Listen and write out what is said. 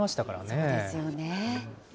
そうですよね。